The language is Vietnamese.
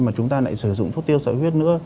mà chúng ta lại sử dụng thuốc tiêu sợi huyết nữa